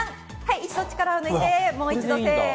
一度力を抜いて、もう一度。